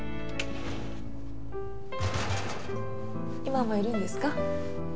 今もいるんですか？